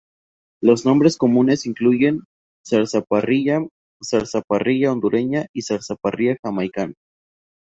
Los nombres comunes incluyen zarzaparrilla, zarzaparrilla hondureña, y zarzaparrilla jamaicana.